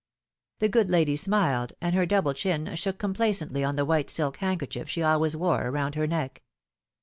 The good lady smiled, and her double chin shook com placently on the white silk handker^ief she always wore around her neck.